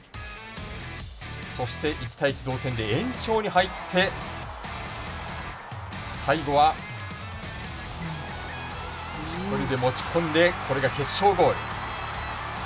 そして１対１同点で延長に入って最後は１人で持ち込んでこれが決勝ゴール。